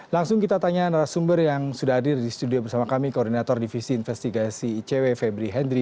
langsung kita tanya narasumber yang sudah hadir di studio bersama kami koordinator divisi investigasi icw febri hendri